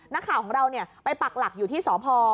นักข่าวของเราไปปักหลักอยู่ที่สพ